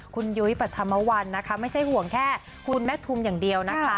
คุณยุ้ยปรัฐมวัลนะคะไม่ใช่ห่วงแค่คุณแม่ทุมอย่างเดียวนะคะ